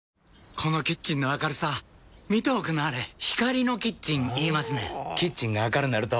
このキッチンの明るさ見ておくんなはれ光のキッチン言いますねんほぉキッチンが明るなると・・・